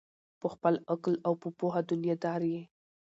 په خپل عقل او په پوهه دنیادار یې